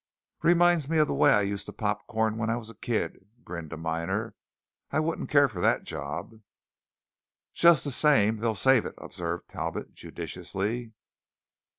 "Reminds me of the way I used to pop corn when I was a kid," grinned a miner. "I wouldn't care for that job." "Just the same, they'll save it," observed Talbot judicially.